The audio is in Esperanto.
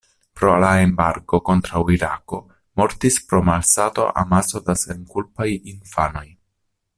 Pro la embargo kontraŭ Irako mortis pro malsato amaso da senkulpaj infanoj.